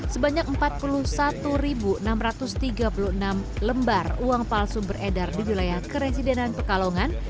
sebanyak empat puluh satu enam ratus tiga puluh enam lembar uang palsu beredar di wilayah keresidenan pekalongan